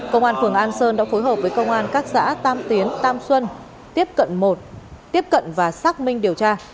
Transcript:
công an phường an sơn đã phối hợp với công an các xã tam tiến tam xuân tiếp cận một tiếp cận và xác minh điều tra